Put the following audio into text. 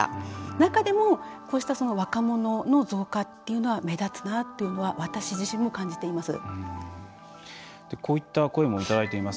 中でも、こうした若者の増加というのは目立つなというのは私自身も感じています。